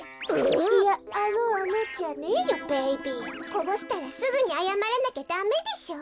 こぼしたらすぐにあやまらなきゃだめでしょう。